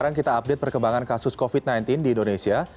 sekarang kita update perkembangan kasus covid sembilan belas di indonesia